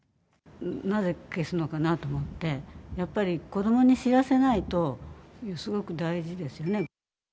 なぜ消すのかなと思って、やっぱり子どもに知らせないと、すごく大事ですよね。